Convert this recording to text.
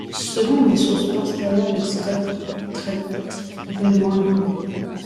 Selon les sources postérieures les Scots traitent rudement les rebelles.